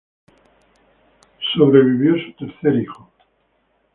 Su tercer hijo sobrevivió.